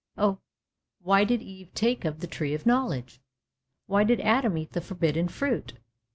"Oh, why did Eve take of the Tree of Knowledge! Why did Adam eat the forbidden fruit!